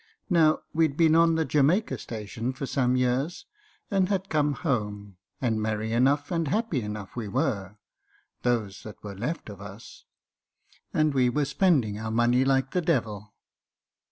Now we'd been on the Jamaica station for some years, and had come home, and merry enough, and happy enough we were (those that were left of us), and we were spending our money like the devil.